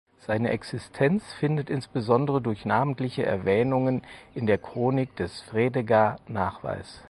Seine Existenz findet insbesondere durch namentliche Erwähnungen in der Chronik des Fredegar Nachweis.